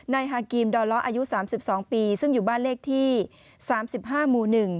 ฮากีมดอล้ออายุ๓๒ปีซึ่งอยู่บ้านเลขที่๓๕หมู่๑